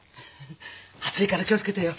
熱いから気を付けてよ。